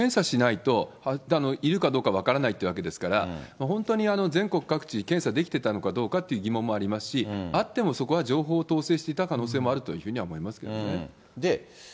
まさに今、宮根さんおっしゃったように、これ、検査しないと、いるかどうか分からないってわけですから、本当に全国各地、検査できてたのかどうかという疑問もありますし、あってもそこは情報を統制していた可能性もあるというふうに思いますけどね。